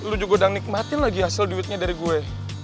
lu juga udah nikmatin lagi hasil duitnya dari gue